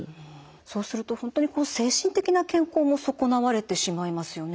そうすると本当に精神的な健康も損なわれてしまいますよね。